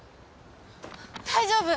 大丈夫？